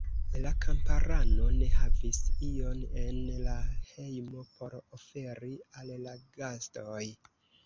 La kamparano ne havis ion en la hejmo por oferi al la gastoj.